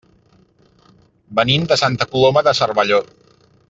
Venim de Santa Coloma de Cervelló.